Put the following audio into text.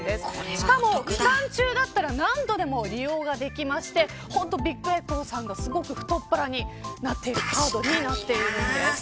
しかも期間中だったら何度でも利用ができてビッグエコーさんがすごく太っ腹になっているカードになっているんです。